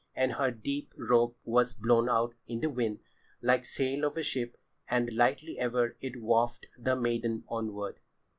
And her deep robe was blown out in the wind, like the sail of a ship, and lightly ever it wafted the maiden onward."